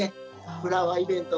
フラワーイベント